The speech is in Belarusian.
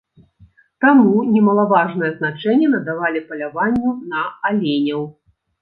Таму немалаважнае значэнне надавалі паляванню на аленяў.